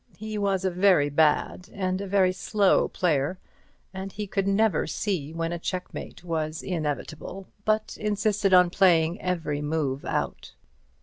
He was a very bad, and a very slow, player, and he could never see when a checkmate was inevitable, but insisted on playing every move out.